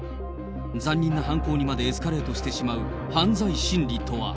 残忍な犯行にまでエスカレートしてしまう犯罪心理とは。